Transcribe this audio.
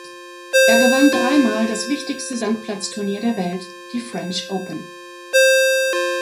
Er gewann dreimal das wichtigste Sandplatzturnier der Welt, die French Open.